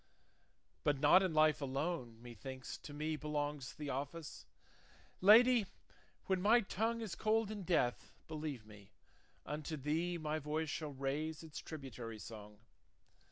But not in life alone, methinks, to me Belongs the office; Lady, when my tongue Is cold in death, believe me, unto thee My voice shall raise its tributary song.